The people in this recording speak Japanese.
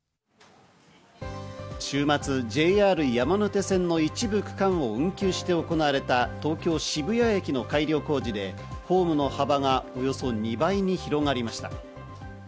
週末ＪＲ山手線の一部区間を運休して行われた東京・渋谷駅の改良工事でホームの幅がおよそ２倍に広がりました。